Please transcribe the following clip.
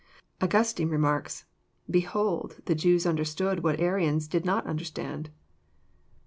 Augustine remarks: << Behold the Jews understood what Arians do not understand."